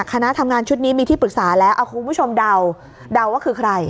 คณะทำงานชุดนี้มีที่ปรึกษาแล้วเอาคุณผู้ชมเดาเดาว่าคือใคร